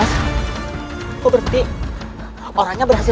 saat yang terjadi